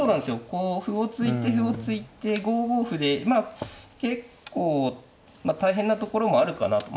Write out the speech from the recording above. こう歩を突いて歩を突いて５五歩でまあ結構大変なところもあるかなと。